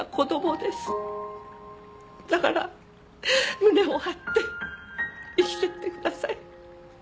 だから胸を張って生きてってください。